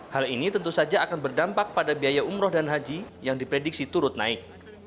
hal ini tentu saja akan berdampak pada biaya umroh dan haji yang diprediksi turut naik